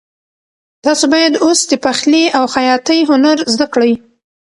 تاسو باید اوس د پخلي او خیاطۍ هنر زده کړئ.